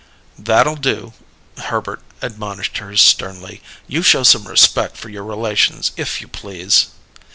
"That'll do," Herbert admonished her sternly. "You show some respect for your relations, if you please."